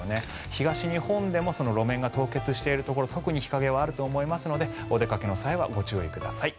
東日本でも路面が凍結しているところ特に日陰はあると思いますのでお出かけの際はご注意ください。